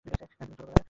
একদম ছোট বেলারই।